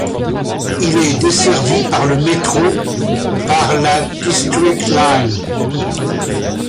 Il est desservi par le métro par la District Line.